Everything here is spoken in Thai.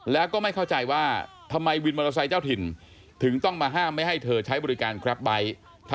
แล้วก็ไม่เข้าใจว่าทำไมวินมอเตอร์ไซค์เจ้าถิ่นถึงต้องมาห้ามไม่ให้เธอใช้บริการกราฟไบท์